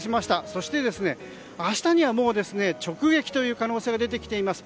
そして明日にはもう直撃という可能性が出てきています。